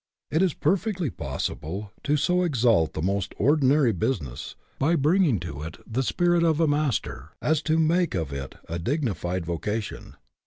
It is perfectly possible to so exalt the most ordi nary business, by bringing to it the spirit of a master, as to make of it a dignified vocation.